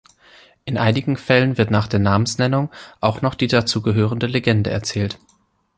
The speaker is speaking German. In einigen Fällen wird nach der Namensnennung auch noch die dazugehörende Legende erzählt.